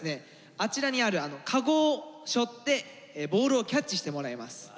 あちらにあるカゴをしょってボールをキャッチしてもらいます。